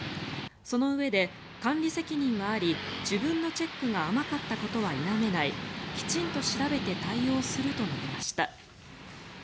そのうえで、管理責任はあり自分のチェックが甘かったことは否めないきちんと調べて対応すると述べました。